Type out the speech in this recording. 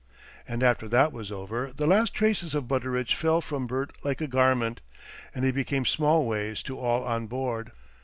And after that was over, the last traces of Butteridge fell from Bert like a garment, and he became Smallways to all on board.